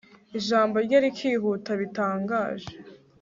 ijambo rye rikihuta bitangaje